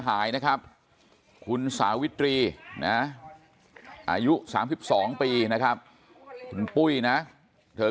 หายนะครับคุณสาวิตรีอายุ๓๒ปีนะครับถึงปุ้ยนแต่เขา